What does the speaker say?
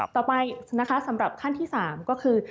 ต่อไปนะคะสำหรับขั้นที่๓ก็คือ